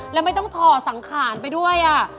แล้วไม่ต้องถ่อสังขารไปด้วย